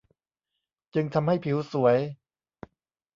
จึงทำให้ผิวสวย